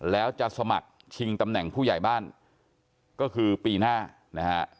แล้วจะสมัครชิงตำแหน่งผู้ใหญ่บ้านก็คือปีหน้านะฮะ